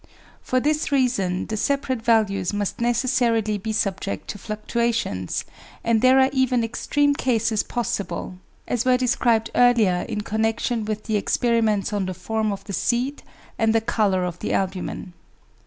For this reason the separate values must necessarily be subject to fluctuations, and there are even extreme cases possible, as were described earlier in connection with the experiments on the form of the seed and the colour of the albumen.